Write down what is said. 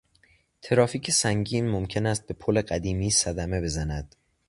ترافیک سنگین ممکن است به پل قدیمی صدمه بزند.